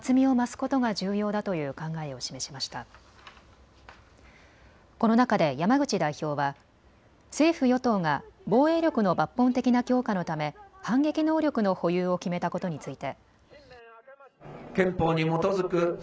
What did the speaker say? この中で山口代表は政府与党が防衛力の抜本的な強化のため反撃能力の保有を決めたことについて。